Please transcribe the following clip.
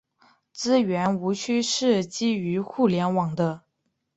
资源无需是基于互联网的。